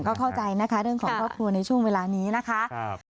ก็เข้าใจนะคะเรื่องของครอบครัวในช่วงเวลานี้นะคะ